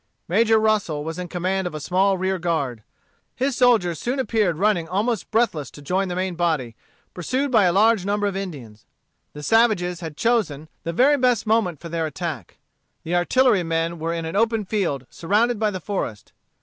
Major Russel was in command of a small rear guard. His soldiers soon appeared running almost breathless to join the main body, pursued by a large number of Indians. The savages had chosen the very best moment for their attack. The artillery men were in an open field surrounded by the forest.